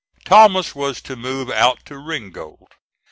Thomas was to move out to Ringgold.